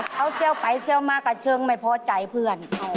เขาแซวไปแซวมากก็เชิงไม่พอใจเพื่อน